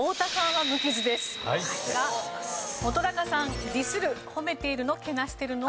本さん「“ディスる”褒めているの？